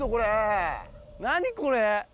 何これ？